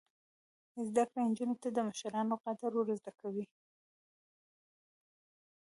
زده کړه نجونو ته د مشرانو قدر ور زده کوي.